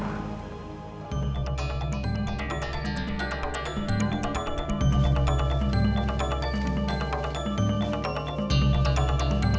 selamat kalian berhasil